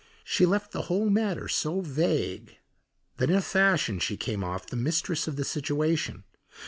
She left the whole matter so vague that in a fashion she came off the mistress of the situation.